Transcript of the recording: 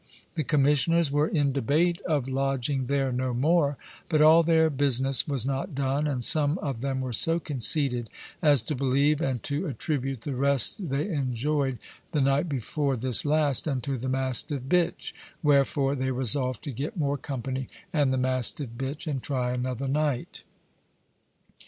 The Commissioners were in debate of lodging there no more; but all their businesse was not done, and some of them were so conceited as to believe, and to attribute the rest they enjoyed the night before this last, unto the mastive bitch; wherefore, they resolved to get more company, and the mastive bitch, and try another night.